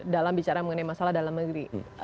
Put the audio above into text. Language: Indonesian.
dalam bicara mengenai masalah dalam negeri